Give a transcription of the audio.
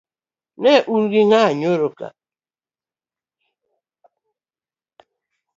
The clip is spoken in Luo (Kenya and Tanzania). Neun gi ng'a nyoro ka